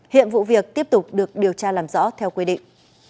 hiện vụ việc tiếp tục được điều tra làm rõ theo quy định